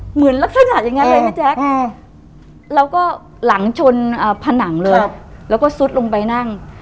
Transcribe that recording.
เหมือนลักษณะอย่างนั้นเลยแม่แจ๊คแล้วก็หลังชนผนังเลยแล้วก็ซุดลงไปนั่ง